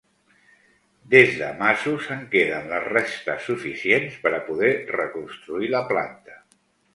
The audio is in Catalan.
Des de masos en queden les restes suficients per a poder reconstruir la planta.